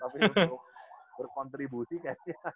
tapi untuk berkontribusi kayaknya